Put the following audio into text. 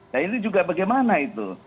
nah ini juga bagaimana itu